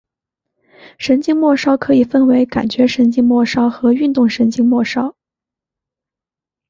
神经末梢可以分为感觉神经末梢和运动神经末梢。